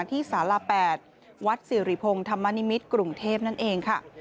ที่สาร๘วัดสิริพงศ์ธรรมนิมิตรกรุงเทพนั่นเองค่ะ